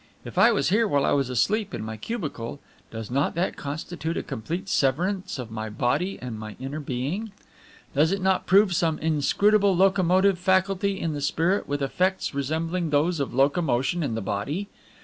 If I was here while I was asleep in my cubicle, does not that constitute a complete severance of my body and my inner being? Does it not prove some inscrutable locomotive faculty in the spirit with effects resembling those of locomotion in the body?